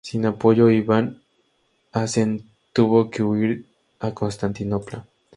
Sin apoyo, Iván Asen tuvo que huir a Constantinopla.